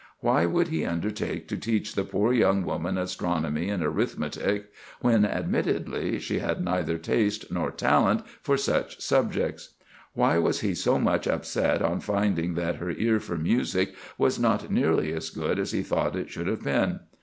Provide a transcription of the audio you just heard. Why would he undertake to teach the poor young woman astronomy and arithmetic, when, admittedly, she had neither taste nor talent for such subjects? Why was he so much upset on finding that her ear for music was not nearly as good as he thought it should have been?